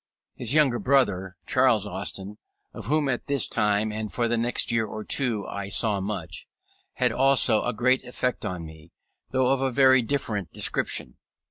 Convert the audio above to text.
His younger brother, Charles Austin, of whom at this time and for the next year or two I saw much, had also a great effect on me, though of a very different description.